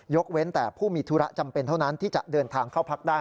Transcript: เว้นแต่ผู้มีธุระจำเป็นเท่านั้นที่จะเดินทางเข้าพักได้